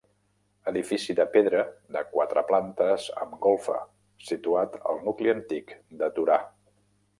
Edifici de pedra de quatre plantes amb golfa situat al nucli antic de Torà.